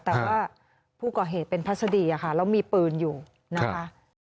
แต่ว่าผู้ก่อเหตุเป็นพัศดีอะค่ะแล้วมีปืนอยู่นะคะ